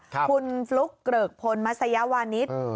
คุณฟลุ๊กเกริกพลมัศยาวานิส